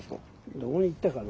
どこに行ったかな。